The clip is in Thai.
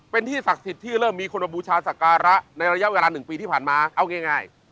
เป็นที่ศักดิ์สิทธิ์ที่เริ่มมีคนมาบูชาศักระในระยะเวลา๑ปีที่ผ่านมาเอาง่าย